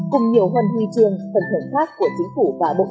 cùng nhiều hơn huy trường phần thể khác của chính phủ và bộ y tế